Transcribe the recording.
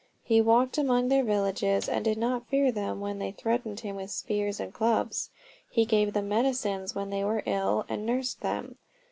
He walked among their villages, and did not fear them when they threatened him with spears and clubs. He gave them medicines when they were ill, and nursed them.